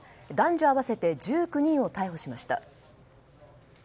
男女合わせて１９人を逮捕しました。